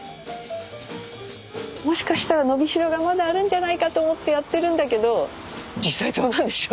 もしかしたら伸びしろがまだあるんじゃないかと思ってやってるんだけど実際どうなんでしょうね。